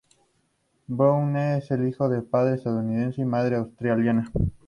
Browne es hijo de padre estadounidense y madre australiana.